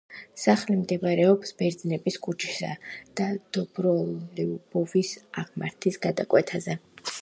სახლი მდებარეობს ბერძნების ქუჩისა და დობროლიუბოვის აღმართის გადაკვეთაზე.